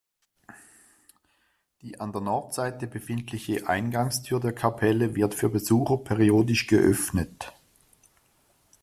Die an der Nordseite befindliche Eingangstür der Kapelle wird für Besucher periodisch geöffnet.